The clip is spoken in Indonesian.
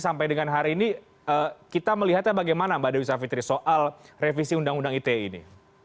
sampai dengan hari ini kita melihatnya bagaimana mbak dewi savitri soal revisi undang undang ite ini